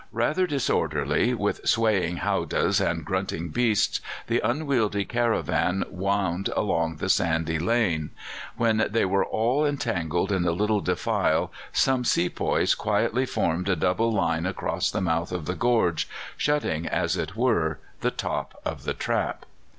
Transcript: "Rather disorderly, with swaying howdahs and grunting beasts, the unwieldy caravan wound along the sandy lane. When they were all entangled in the little defile some sepoys quietly formed a double line across the mouth of the gorge, shutting, as it were, the top of the trap.